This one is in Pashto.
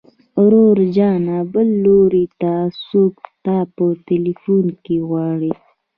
ورور جانه بل لوري ته څوک تا په ټليفون کې غواړي.